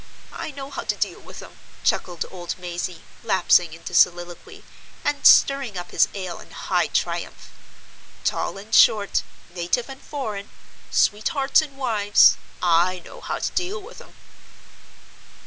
I know how to deal with 'em!" chuckled old Mazey, lapsing into soliloquy, and stirring up his ale in high triumph. "Tall and short, native and foreign, sweethearts and wives—I know how to deal with 'em!"